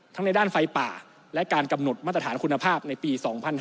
ในด้านไฟป่าและการกำหนดมาตรฐานคุณภาพในปี๒๕๕๙